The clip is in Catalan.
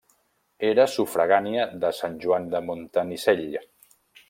Era sufragània de Sant Joan de Montanissell.